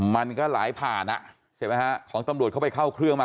มันก็ไหลผ่านอ่ะใช่ไหมฮะของตำรวจเข้าไปเข้าเครื่องมา